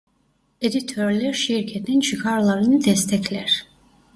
Editörler şirketin çıkarlarını destekler.